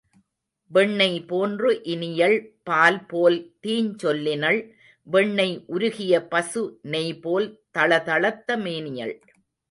வெண்ணெய் போன்று இனியள் பால் போல் தீஞ்சொல்லினள், வெண்ணெய் உருக்கிய பசு நெய்போல் தளதளத்த மேனியள்.